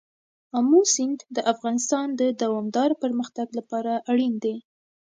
آمو سیند د افغانستان د دوامداره پرمختګ لپاره اړین دی.